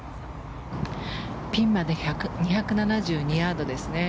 ピンまで２７２ヤードです。